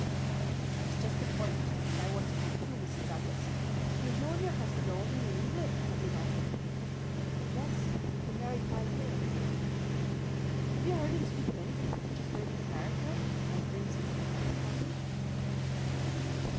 "That is just the point which I want to come to, Mrs. Douglas. You have known your husband only in England, have you not?" "Yes, we have been married five years." "Have you heard him speak of anything which occurred in America and might bring some danger upon him?"